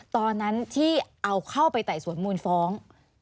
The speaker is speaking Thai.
ตอนนั้นที่เอาเข้าไปไต่สวนมูลฟ้อง